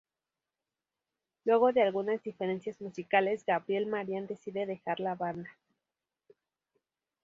Luego de algunas diferencias musicales, Gabriel Marian decide dejar la banda.